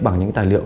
bằng những tài liệu